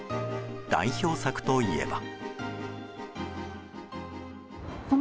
代表作といえば。